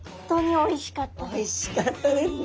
おいしかったですね。